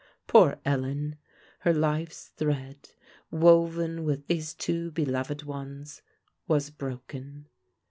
Poor Ellen! her life's thread, woven with these two beloved ones, was broken.